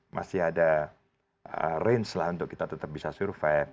masih ada range lah untuk kita tetap bisa survive